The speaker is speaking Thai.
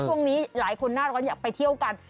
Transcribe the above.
ช่วงนี้หลายคนหน้าร้อนอยากไปเที่ยวกัน